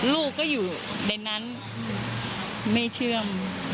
ลูกก็อยู่ในนั้นไม่เชื่อม